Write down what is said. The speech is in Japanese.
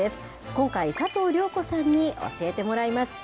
今回、佐藤亮子さんに教えてもらいます。